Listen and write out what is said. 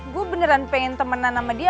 gue beneran pengen temenan sama dia